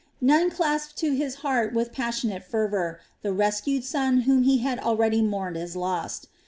Nun clasped to his heart with passionate fervor the rescued son whom he had already mourned as lost.